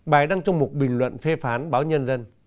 bài đăng trong một bình luận phê phán báo nhân dân